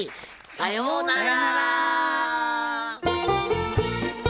さようなら！